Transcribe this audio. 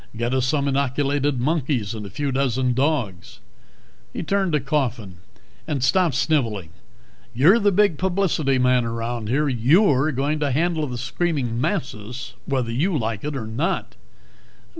Get us some inoculated monkeys and a few dozen dogs." He turned to Coffin. "And stop sniveling. You're the big publicity man around here; you're going to handle the screaming masses, whether you like it or not."